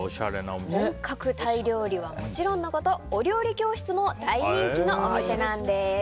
本格タイ料理はもちろんのことお料理教室も大人気のお店なんです。